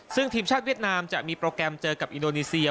ซึ่งทีมชาติเวียดนามจะมีโปรแกรมเจอกับอินโดนีเซีย